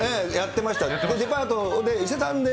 デパートで、伊勢丹で。